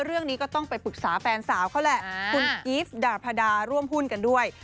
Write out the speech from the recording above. เรื่องนี้ก็ต้องไปปรึกษาแฟนสาวเขาแหละคุณอีฟดาพดาร่วมหุ้นกันด้วย